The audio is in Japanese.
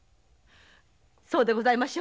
そうでございましょう？